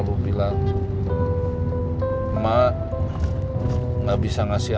namun dia juga mengasahkan saya international auspense fries